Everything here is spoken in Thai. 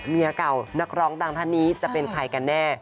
เมียเก่านักร้องดังท่านนี้จะเป็นใครกันแน่